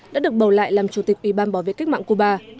đã được bầu lại làm chủ tịch ủy ban bảo vệ cách mạng cuba